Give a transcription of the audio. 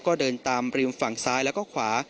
ก็เดินตามริมฝั่งซ้ายแล้วก็ขวา